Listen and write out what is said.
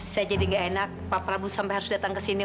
saya jadi gak enak pak prabowo sampai harus datang ke sini